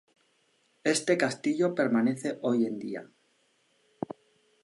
Este castillo permanece hoy en día.